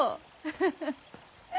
フフフッ。